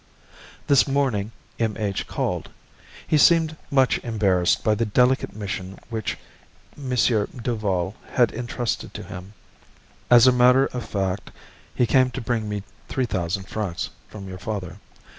This morning M. H. called. He seemed much embarrassed by the delicate mission which M. Duval had intrusted to him. As a matter of fact, he came to bring me three thousand francs from your father.